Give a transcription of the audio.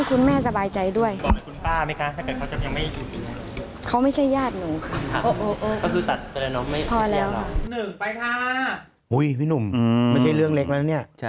พี่หนุ่มไม่ใช่เรื่องเล็กแล้วนะเนี่ย